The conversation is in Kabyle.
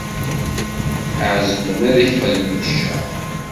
Ɛezmen ad ak-xedmen ccer.